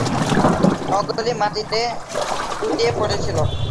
নগরী মাটিতে লুটিয়ে পড়েছিল।